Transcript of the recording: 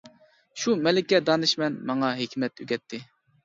شۇ «مەلىكە دانىشمەن» ماڭا ھېكمەت ئۆگەتتى.